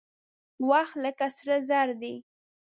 وخت لکه سره زر دى.